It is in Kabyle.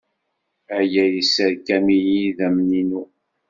Aya yesserkam-iyi idammen-inu.